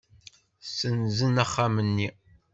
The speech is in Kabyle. Ssenzen axxam-nni.